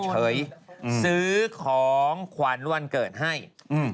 ซื้อของขวัญวันเกิดให้อืม